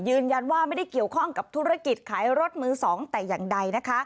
ยืนยันว่าไม่ได้เกี่ยวข้องกับธุรกิจขายรถมือ๒แต่อย่างใดนะคะ